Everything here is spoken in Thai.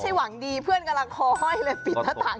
จะได้พิมพ์สบาย